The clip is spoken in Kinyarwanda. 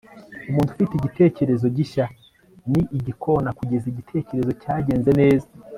umuntu ufite igitekerezo gishya ni igikona kugeza igitekerezo cyagenze neza